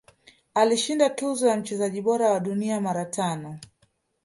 Alishinda tuzo ya mchezaji bora wa dunia mara tano